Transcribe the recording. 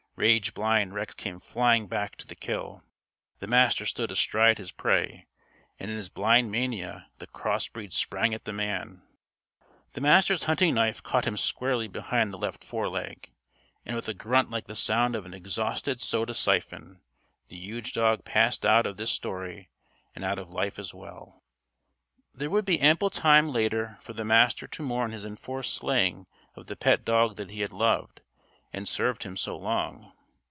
Rage blind, Rex came flying back to the kill. The Master stood astride his prey, and in his blind mania the cross breed sprang at the man. The Master's hunting knife caught him squarely behind the left fore leg. And with a grunt like the sound of an exhausted soda siphon, the huge dog passed out of this story and out of life as well. There would be ample time, later, for the Master to mourn his enforced slaying of the pet dog that had loved and served him so long.